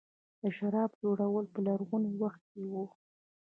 د شرابو جوړول په لرغوني وخت کې وو